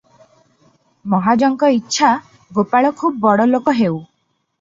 ମହାଜଙ୍କ ଇଛା, ଗୋପାଳ ଖୁବ ବଡ଼ ଲୋକ ହେଉ ।